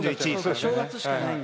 正月しかないんだ。